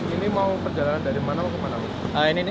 ini mau perjalanan dari mana ke mana